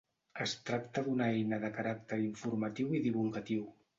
Es tracta d'una eina de caràcter informatiu i divulgatiu.